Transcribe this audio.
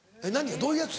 どういうやつ？